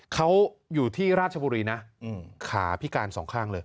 เขาอยู่ที่ราชบุรีนะขาพิการสองข้างเลย